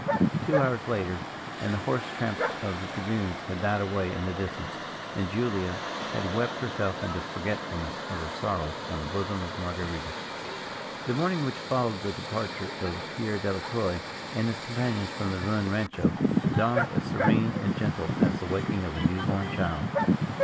Two hours later, and the horse tramps of the dragoons had died away in the distance, and Julia had wept herself into forgetfulness of her sorrows on the bosom of Marguerita. The morning which followed the departure of Pierre Delacroix and his companions from the ruined rancho, dawned as serene and gentle as the waking of a new born child.